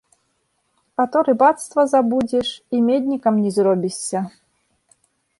А то рыбацтва забудзеш і меднікам не зробішся.